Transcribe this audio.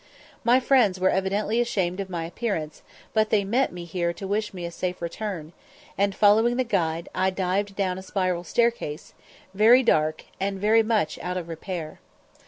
My friends were evidently ashamed of my appearance, but they met me here to wish me a safe return, and, following the guide, I dived down a spiral staircase, very dark and very much out of repair.